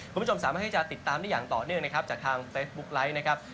คุณผู้ชมสามารถให้จะติดตามได้อย่างต่อเนื่องนะครับจากทางเฟซบุ๊คไลค์นะครับ